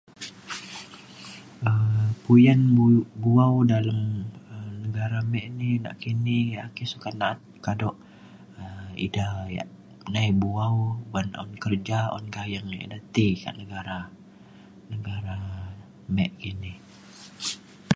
um puyan bu- bu’au dalem um negara me ni nakini ake sukat na’at kado um ida yak nai bu’au ban un kerja un gayeng ida ti kak negara negara me kini